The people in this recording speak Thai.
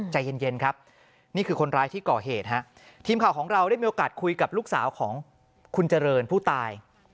ใจเย็นครับนี่คือคนร้ายที่ก่อเหตุฮะทีมข่าวของเราได้มีโอกาสคุยกับลูกสาวของคุณเจริญผู้ตาย